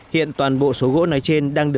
hiện toàn bộ số gỗ nói trên